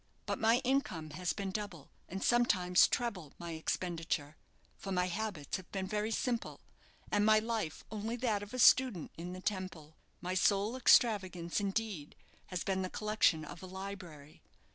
But my income has been double, and sometimes treble, my expenditure, for my habits have been very simple, and my life only that of a student in the Temple. My sole extravagance, indeed, has been the collection of a library.